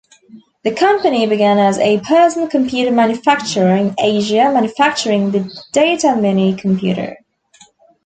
The company began as a personal computer manufacturer in Asia manufacturing the Datamini computer.